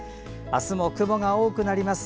明日も雲が多くなります。